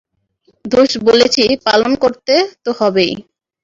দোস বলেছি, পালন করতে তো হবেই।